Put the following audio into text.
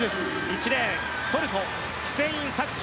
１レーントルコ、ヒュセイン・サクチ。